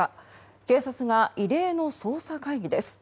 警察が異例の捜査会議です。